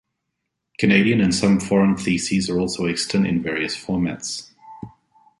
Canadian and some foreign theses are also extant in various formats.